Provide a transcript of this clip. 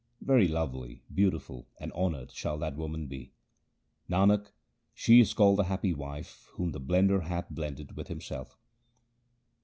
Very lovely, beautiful, and honoured shall that woman be. Nanak, she is called the happy wife whom the Blender hath blended with Himself.